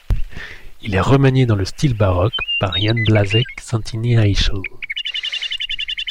Il est remanié dans le style baroque par Jan Blažej Santini-Aichel.